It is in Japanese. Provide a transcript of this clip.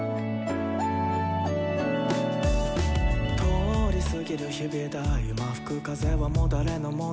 「通り過ぎる日々だ今吹く風はもう誰の物？」